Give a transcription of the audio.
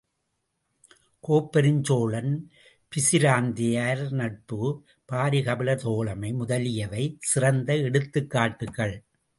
கோப்பெருஞ்சோழன் பிசிராந்தையார் நட்பு, பாரி கபிலர் தோழமை முதலியவை சிறந்த எடுத்துக் காட்டுக்கள்!